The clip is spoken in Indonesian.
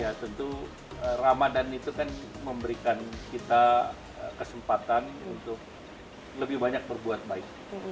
ya tentu ramadan itu kan memberikan kita kesempatan untuk lebih banyak berbuat baik